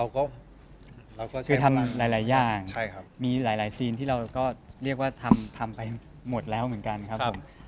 ก็คือทำหลายอย่างมีหลายซีนที่เราก็เรียกว่าทำไปหมดแล้วเหมือนกันครับผม